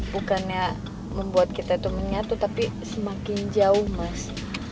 bukannya membuat kita itu menyatu tapi semakin jauh mas